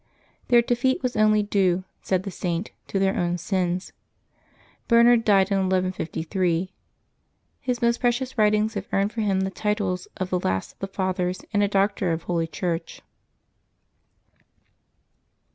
Their defeat was only due, said the Saint, to their own sins. Bernard died in 1153. His most precious writ ings have earned for him the titles of the last of the Fathers and a Doctor of Holy Church.